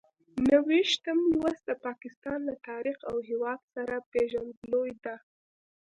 نهه ویشتم لوست د پاکستان له تاریخ او هېواد سره پېژندګلوي ده.